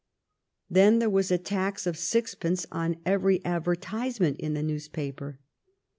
Then there was a tax of sixpence on every advertisement in the newspaper.